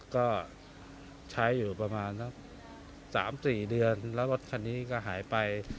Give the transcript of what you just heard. ก็ใช้อยู่ประมาณสัก๓๔เดือนแล้วรถคันนี้ก็หายไป